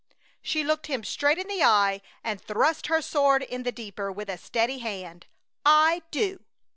She looked him straight in the eye and thrust her sword in the deeper with a steady hand. "I do!"